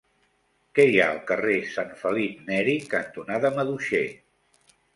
Què hi ha al carrer Sant Felip Neri cantonada Maduixer?